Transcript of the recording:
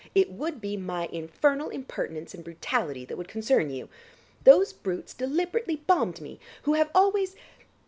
It would be my infernal impertinence and brutality that would concern you. Those brutes deliberately bombed me, who have always